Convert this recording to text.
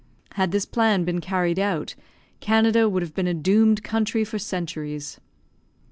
Had this plan been carried out, Canada would have been a doomed country for centuries.